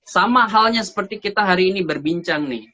sama halnya seperti kita hari ini berbincang nih